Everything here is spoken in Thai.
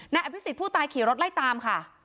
อภิษฎผู้ตายขี่รถไล่ตามค่ะ